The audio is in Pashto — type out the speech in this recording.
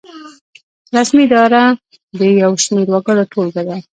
رسمي اداره د یو شمیر وګړو ټولګه ده.